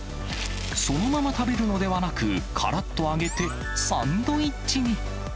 そのまま食べるのではなく、からっと揚げて、サンドイッチに。